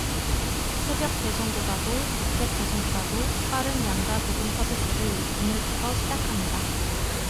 새벽배송보다도 로켓배송보다도 빠른 양자 배송 서비스를 오늘부터 시작합니다.